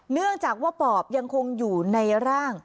เนื่องจากว่าปอบยังคงอยู่ในร่าง